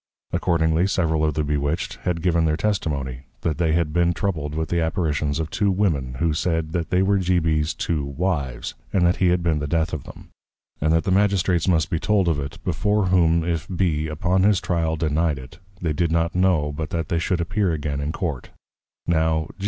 Accordingly several of the Bewitched, had given in their Testimony, that they had been troubled with the Apparitions of two Women, who said, that they were G. B's two Wives, and that he had been the Death of them; and that the Magistrates must be told of it, before whom if B. upon his Tryal denied it, they did not know but that they should appear again in Court.